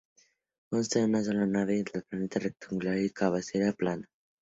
Consta de una sola nave de planta rectangular y cabecera plana.